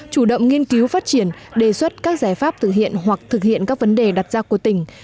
chủ động nghiên cứu phát triển đề xuất các giải pháp thực hiện hoặc thực hiện các vấn đề đặt ra của tỉnh